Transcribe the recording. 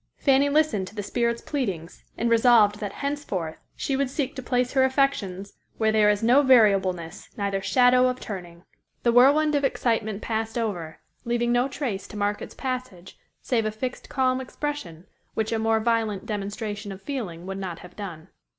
Fanny listened to the Spirit's pleadings and resolved that henceforth she would seek to place her affections where "there is no variableness, neither shadow of turning." The whirlwind of excitement passed over, leaving no trace to mark its passage, save a fixed calm expression, which a more violent demonstration of feeling would not have done.